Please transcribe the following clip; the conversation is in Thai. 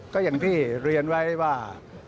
ก็อย่างที่เรียนไว้ว่า